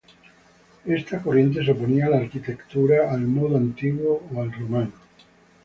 Esta corriente se oponía a la arquitectura "al modo antiguo" o "al romano".